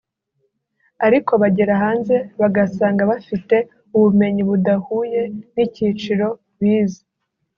ariko bagera hanze bagasanga bafite ubumenyi budahuye n’icyiciro bize